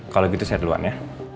kalau gitu saya duluan ya